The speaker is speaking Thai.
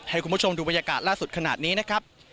ให้คุณผู้ชมดูบรรยากาศล่าสุดขนาดนี้นะครับ